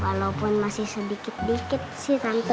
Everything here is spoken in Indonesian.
walaupun masih sedikit dikit sih tante